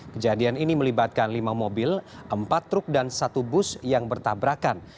kejadian ini melibatkan lima mobil empat truk dan satu bus yang bertabrakan